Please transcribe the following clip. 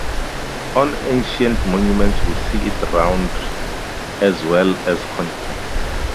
On ancient monuments we see it round as well as conical.